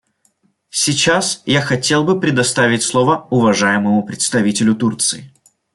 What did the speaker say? Сейчас я хотел бы предоставить слово уважаемому представителю Турции.